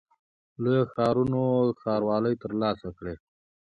لویو ښارونو ښاروالۍ ترلاسه کړې.